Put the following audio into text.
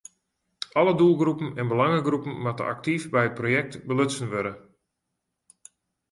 Alle doelgroepen en belangegroepen moatte aktyf by it projekt belutsen wurde.